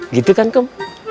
gitu kan kum